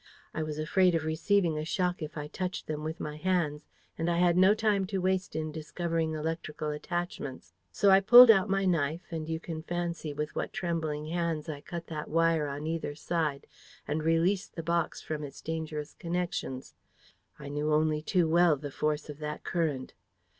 I was afraid of receiving a shock if I touched them with my hands, and I had no time to waste in discovering electrical attachments. So I pulled out my knife, and you can fancy with what trembling hands I cut that wire on either side and released the box from its dangerous connections. I knew only too well the force of that current.